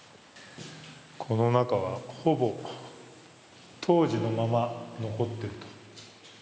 この中はほぼ当時のまま残っていると。